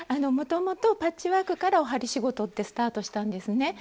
もともとパッチワークからお針仕事ってスタートしたんですね。